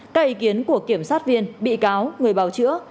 các ý kiến của kiểm sát viên bị cáo người báo chữa